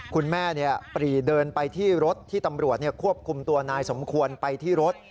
คุณแม่ปรีเดินไปที่รถที่ตำรวจควบคุมตัวนายสมควรไปที่รถ